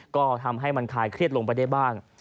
ก็ทำให้มันคลายเครียดลงไปได้บ้าง